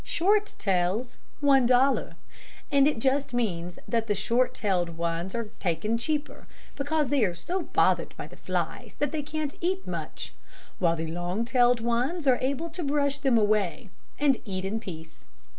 Short tails, one dollar.' And it just means that the short tailed ones are taken cheaper, because they are so bothered by the flies that they can't eat much, while the long tailed ones are able to brush them away, and eat in peace.